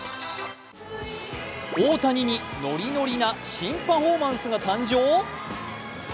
大谷にノリノリな新パフォーマンスが誕生？